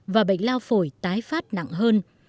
và bệnh lao phổi tái phát nặng hơn